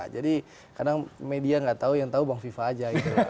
jadi kadang media nggak tahu yang tahu bang viva aja gitu